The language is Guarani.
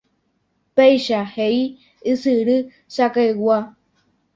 Péicha he'i Ysyry Sakãygua.